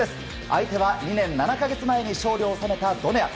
相手は２年７か月前に勝利を収めたドネア。